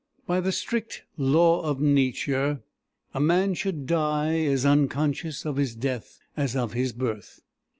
] By the strict law of Nature a man should die as unconscious of his death as of his birth.